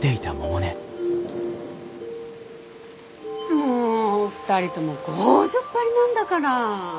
もう２人とも強情っ張りなんだから。